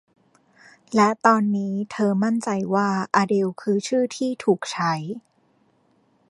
และตอนนี้เธอมั่นใจว่าอเดลคือชื่อที่ถูกใช้